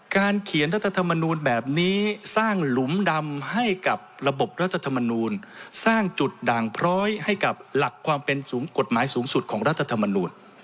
เขียนรัฐธรรมนูลแบบนี้สร้างหลุมดำให้กับระบบรัฐธรรมนูลสร้างจุดด่างพร้อยให้กับหลักความเป็นกฎหมายสูงสุดของรัฐธรรมนูล